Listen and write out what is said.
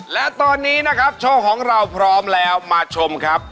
และตอนนี้นะครับโชว์ของเราพร้อมแล้วมาชมครับ